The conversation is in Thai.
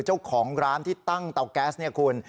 เจ้าของร้านที่ตั้งเตาแก๊สเนี่ยคุณ